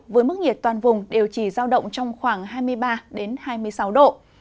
với mức nhiệt toàn vùng đều chỉ giao động trong khoảng hai mươi ba hai mươi sáu độ